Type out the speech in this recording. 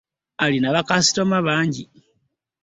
Alina bakasitoma bangi